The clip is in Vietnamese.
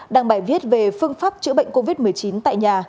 đăng bài viết về phương pháp chữa bệnh covid một mươi chín tại nhà